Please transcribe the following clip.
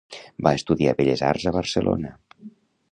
Va estudiar Belles Arts a Barcelona.